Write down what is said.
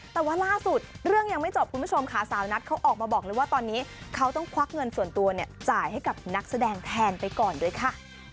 แต่ว่าล่าสุดเรื่องยังไม่จบคุณผู้ชมค่ะสาวนัทเขาออกมาบอกเลยว่าตอนนี้เขาต้องควักเงินส่วนตัวเนี่ยจ่ายให้กับนักแสดงแทนไปก่อนด้วยค่ะ